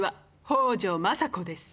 北条政子です。